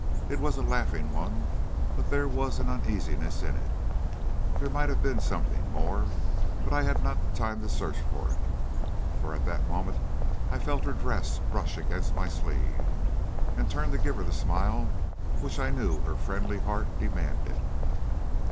It was a laughing one, but there was uneasiness in it. There might have been something more, but I had not time to search for it, for at that moment I felt her dress brush against my sleeve, and turned to give her the smile which I knew her friendly heart demanded.